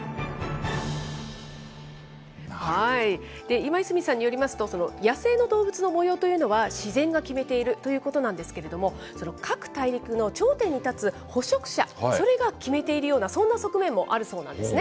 今泉さんによりますと、野生の動物の模様というのは自然が決めているということなんですけれども、各大陸の頂点に立つ捕食者、それが決めているような、そんな側面もあるそうなんですね。